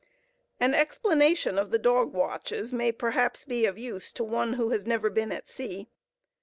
An explanation of the "dog watches" may, perhaps, be of use to one who has never been at sea.